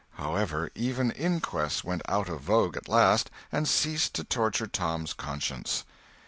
However, even inquests went out of vogue at last, and ceased to torture Tom's conscience.